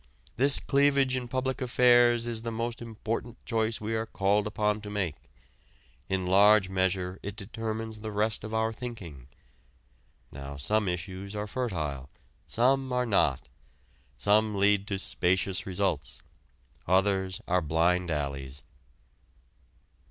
This cleavage in public affairs is the most important choice we are called upon to make. In large measure it determines the rest of our thinking. Now some issues are fertile; some are not. Some lead to spacious results; others are blind alleys.